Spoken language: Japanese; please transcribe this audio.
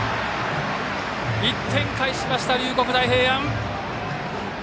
１点返しました龍谷大平安。